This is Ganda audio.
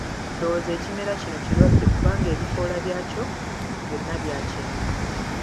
Ndowooza ekimera kino kirwadde kubanga ebikoola byakyo byonna bya kyenvu.